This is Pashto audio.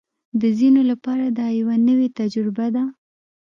د ځینو لپاره دا یوه نوې تجربه ده